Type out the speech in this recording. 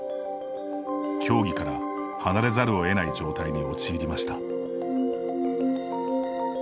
競技から離れざるを得ない状態に陥りました。